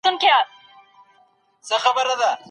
شاه د ټولنې د عدالت لپاره نوي قوانین جوړ کړل.